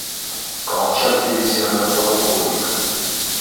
Колчак дивизияһында полковник.